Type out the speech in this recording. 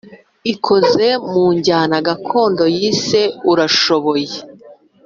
ikoze mu njyana gakondo yise Urashoboye